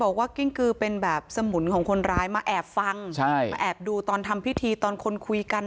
กิ้งกือเป็นแบบสมุนของคนร้ายมาแอบฟังใช่มาแอบดูตอนทำพิธีตอนคนคุยกัน